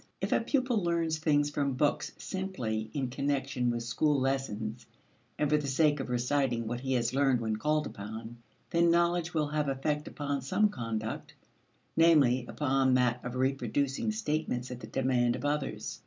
If a pupil learns things from books simply in connection with school lessons and for the sake of reciting what he has learned when called upon, then knowledge will have effect upon some conduct namely upon that of reproducing statements at the demand of others.